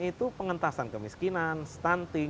itu pengentasan kemiskinan